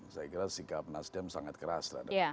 saya kira sikap nasdem sangat keras